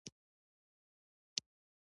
له چا ځان وساتم؟